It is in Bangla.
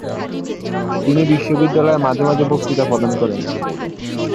তিনি বিশ্ববিদ্যালয়ে মাঝে মাঝে বক্তৃতা প্রদান করেন।